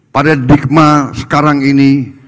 pada stigma sekarang ini